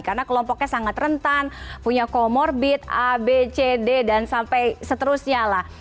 karena kelompoknya sangat rentan punya comorbid a b c d dan sampai seterusnya lah